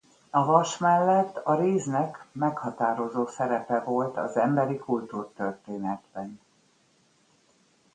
A vas mellett a réznek meghatározó szerepe volt az emberi kultúrtörténetben.